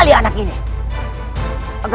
nyai tak kejaya